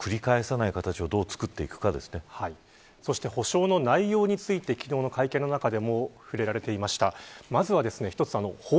そして、それを二度と繰り返さない形をそして補償の内容について昨日の会見の中でも触れられていました。